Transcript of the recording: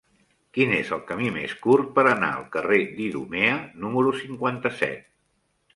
Quin és el camí més curt per anar al carrer d'Idumea número cinquanta-set?